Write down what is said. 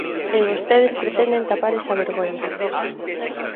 E vostedes pretenden tapar esa vergoña.